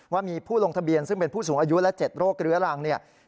ว่ามีผู้ลงทะเบียนซึ่งเป็นผู้สูงอายุและ๗โรคเรื้อรังเนี่ย